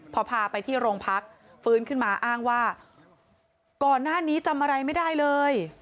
พอพาไปที่โรงพักฟื้นขึ้นมาอ้างว่าก่อนหน้านี้จำอะไรไม่ได้เลย